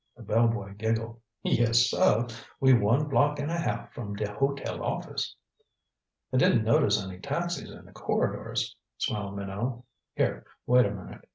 The bell boy giggled. "Yes, suh. We one block and a half from de hotel office." "I didn't notice any taxis in the corridors," smiled Minot. "Here wait a minute."